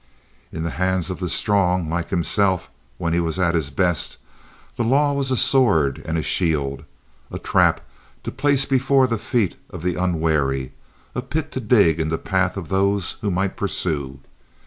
In the hands of the strong, like himself when he was at his best, the law was a sword and a shield, a trap to place before the feet of the unwary; a pit to dig in the path of those who might pursue.